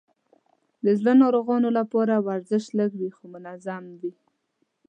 د زړه ناروغانو لپاره ورزش لږ وي، خو منظم وي.